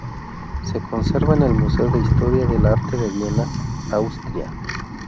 Se conserva en el Museo de Historia del Arte de Viena, Austria.